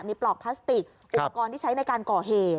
มีปลอกพลาสติกอุปกรณ์ที่ใช้ในการก่อเหตุ